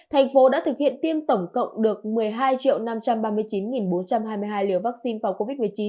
thành phố đã thực hiện tiêm tổng cộng được một mươi hai năm trăm ba mươi chín bốn trăm hai mươi hai liều vaccine phòng covid một mươi chín